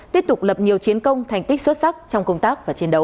tiếp tục lập nhiều chiến công thành tích xuất sắc trong công tác và chiến đấu